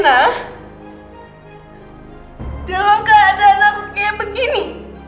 dalam keadaan akut kayak begini